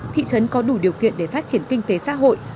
thị trấn có đủ điều kiện để phát triển kinh tế xã hội